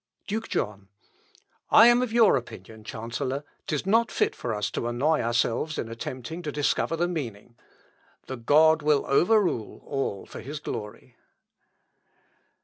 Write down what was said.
Duke John. "I am of your opinion, Chancellor; 'tis not fit for us to annoy ourselves in attempting to discover the meaning; the God will overrule all for his glory."